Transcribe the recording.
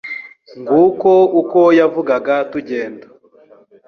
Nguko uko yavugaga tugenda